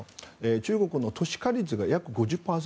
中国の都市化率が約５０％